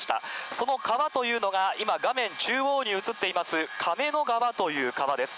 その川というのが今、画面中央に移っています、かめの川という川です。